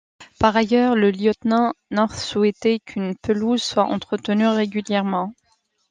Par ailleurs, le lieutenant North souhaitait qu'une pelouse soit entretenue régulièrement.